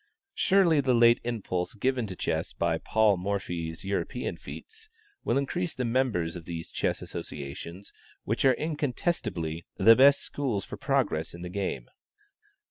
Surely the late impulse given to chess by Paul Morphy's European feats, will increase the members of these chess associations, which are incontestably the best schools for progress in the game.